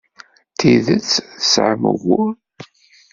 D tidet tesɛam ugur.